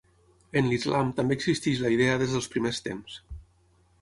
En l'islam també existeix la idea des dels primers temps.